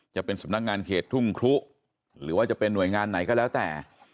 จะเป็นสำนักงานเขตทุ่งครุหรือว่าจะเป็นหน่วยงานไหนก็แล้วแต่